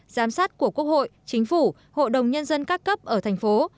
giám sát của quốc hội chính phủ hội đồng nhân dân các cấp ở thành phố